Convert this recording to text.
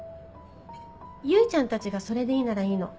唯ちゃんたちがそれでいいならいいの。